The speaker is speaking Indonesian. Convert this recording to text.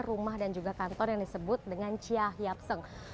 rumah dan juga kantor yang disebut dengan cha hyap seng